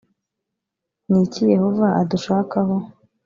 ni iki yehova adushakaho